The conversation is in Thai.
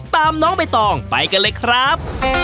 น้องใบตองไปกันเลยครับ